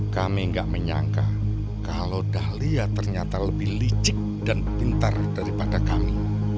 kami nggak menyangka kalau dahlia ternyata lebih licik dan pintar daripada kami